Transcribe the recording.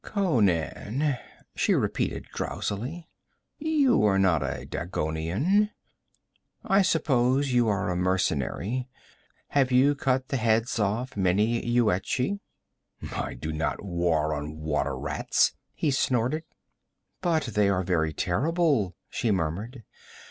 'Conan,' she repeated drowsily. 'You are not a Dagonian. I suppose you are a mercenary. Have you cut the heads off many Yuetshi?' 'I do not war on water rats!' he snorted. 'But they are very terrible,' she murmured.